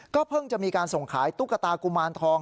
เพิ่งจะมีการส่งขายตุ๊กตากุมารทอง